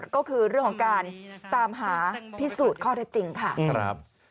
ก็คือเรื่องของการตามหาพิสูจน์ข้อเท็จจริงค่ะ